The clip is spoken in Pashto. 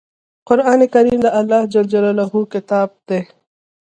قرآن کریم د الله ﷺ کتاب دی.